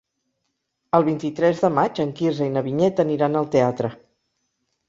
El vint-i-tres de maig en Quirze i na Vinyet aniran al teatre.